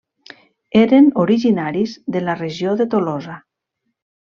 Eren originaris de la regió de Tolosa.